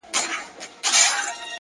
هڅه د ناکامۍ درملنه ده.!